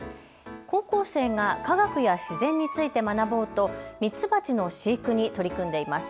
高校生が科学や自然について学ぼうとミツバチの飼育に取り組んでいます。